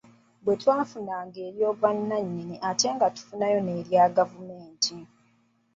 Bwe twafunanga ery’obwannannyini ate nga tufunayo n’erya gavumenti.